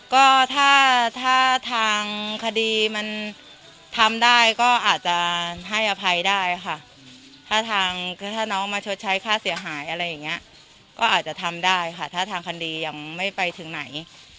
ก็ถ้าถ้าทางคดีมันทำได้ก็อาจจะให้อภัยได้ค่ะถ้าทางถ้าน้องมาชดใช้ค่าเสียหายอะไรอย่างนี้ก็อาจจะทำได้ค่ะถ้าทางคดียังไม่ไปถึงไหน